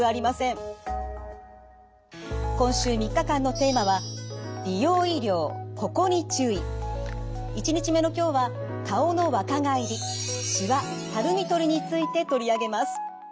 今週３日間のテーマは１日目の今日は顔の若返りしわ・たるみとりについて取り上げます。